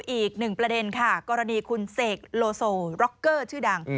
อีกหนึ่งประเด็นค่ะกรณีคุณเสกโลโซร็อกเกอร์ชื่อดัง